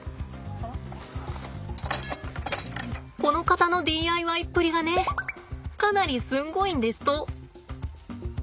この方のＤＩＹっぷりがねかなりすんごいんですと。